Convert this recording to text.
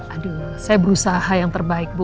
aduh saya berusaha yang terbaik bu